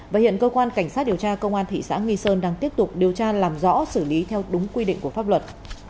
và hiện cơ quan cảnh sát điều tra công an thị xã nghi sơn đang tiếp tục điều tra làm rõ xử lý theo đúng quy định của pháp luật